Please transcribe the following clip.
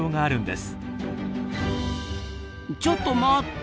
ちょっと待った！